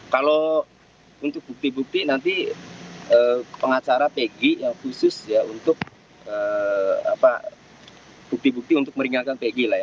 kalau untuk bukti bukti nanti pengacara pegi khusus ya untuk bukti bukti untuk meringankan pegg lah ya